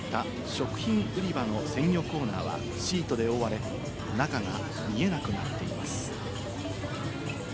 事件現場となった食品売り場の鮮魚コーナーはシートで覆われ、中が見えなくなっています。